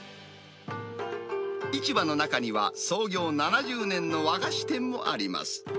市場の中には、創業７０年の和菓子店もあります。